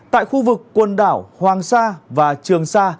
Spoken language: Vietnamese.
tại khu vực quần đảo hoàng sa và trường sa